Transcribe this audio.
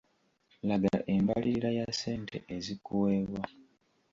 Laga embalirira ya ssente ezikuweebwa.